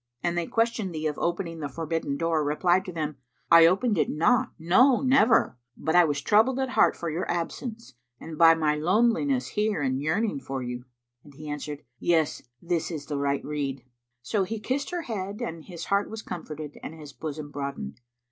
An they question thee of opening the forbidden door, reply to them, 'I opened it not; no, never; but I was troubled at heart for your absence and by my loneliness here and yearning for you.'"[FN#65] And he answered, "Yes: this is the right rede." So he kissed her head and his heart was comforted and his bosom broadened.